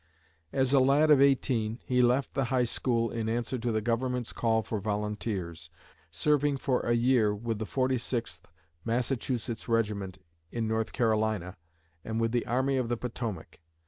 As a lad of eighteen, he left the high school in answer to the government's call for volunteers, serving for a year with the 46th Massachusetts Regiment in North Carolina and with the Army of the Potomac.